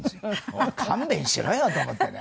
おい勘弁しろよ！と思ってね。